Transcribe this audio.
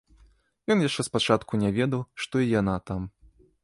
Ён яшчэ спачатку не ведаў, што і яна там.